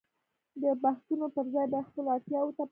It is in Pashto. د بحثونو پر ځای باید خپلو اړتياوو ته پام وکړو.